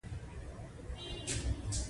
دا د نوي فیوډالي تولید عوامل وو.